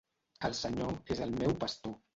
El Senyor és el meu pastor.